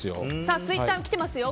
ツイッターも来ていますよ。